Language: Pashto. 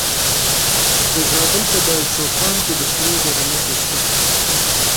د زابل په دایچوپان کې د سرو زرو نښې شته.